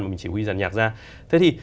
mình chỉ huy dàn nhạc ra thế thì